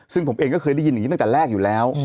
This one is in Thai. ซึ่งผมเองก็เคยได้ยินอย่างนี้ตั้งแต่แรกอยู่แล้ว